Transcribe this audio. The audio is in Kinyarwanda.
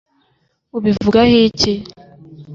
ubivugaho iki